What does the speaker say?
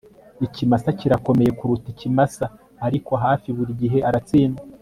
Ikimasa kirakomeye kuruta ikimasa ariko hafi buri gihe aratsindwa